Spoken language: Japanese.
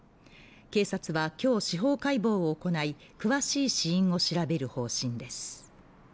警察はきょう司法解剖を行い詳しい死因を調べる方針です